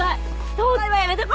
東大はやめとこ！